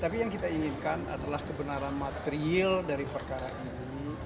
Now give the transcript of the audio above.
tapi yang kita inginkan adalah kebenaran material dari perkara ini